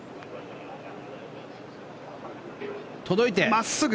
真っすぐ。